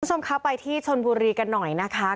คุณผู้ชมคะไปที่ชนบุรีกันหน่อยนะคะ